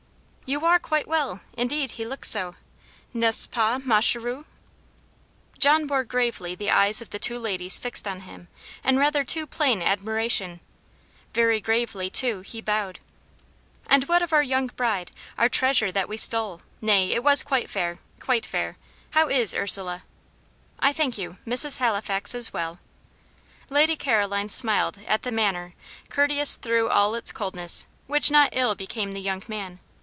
"You are quite well. Indeed, he looks so n'est ce pas, ma chere?" John bore gravely the eyes of the two ladies fixed on him, in rather too plain admiration very gravely, too, he bowed. "And what of our young bride, our treasure that we stole nay, it was quite fair quite fair. How is Ursula?" "I thank you, Mrs. Halifax is well." Lady Caroline smiled at the manner, courteous through all its coldness, which not ill became the young man.